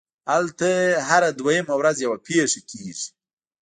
هلته هره دویمه ورځ یوه پېښه کېږي